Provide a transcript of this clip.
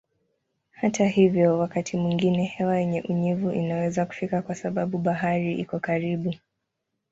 Hata hivyo wakati mwingine hewa yenye unyevu inaweza kufika kwa sababu bahari iko karibu.